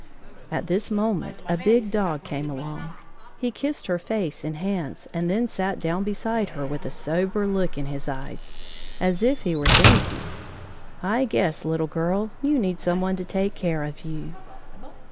At this moment a big dog came along. He kissed her face and hands and then sat down beside her with a sober look in his eyes, as if he were thinking: "I guess, Little Girl, you need some one to take care of you!"